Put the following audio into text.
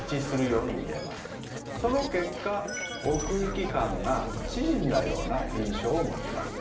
その結果奥行き感が縮んだような印象を持ちます。